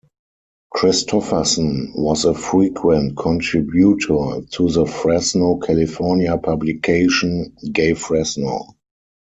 Christoffersen was a frequent contributor to the Fresno, California publication "GayFresno".